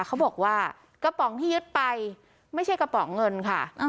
เขาบอกว่ากระป๋องที่ยึดไปไม่ใช่กระป๋องเงินค่ะ